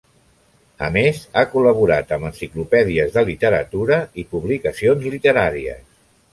A més, ha col·laborat amb enciclopèdies de literatura i publicacions literàries.